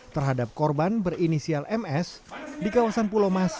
terhadap korban berinisial ms di kawasan pulau mas